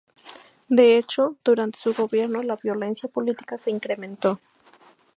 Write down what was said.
De hecho, durante su gobierno la violencia política se incrementó.